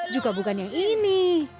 juga bukan yang ini